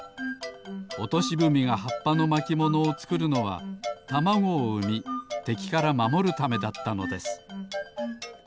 オトシブミがはっぱのまきものをつくるのはたまごをうみてきからまもるためだったのです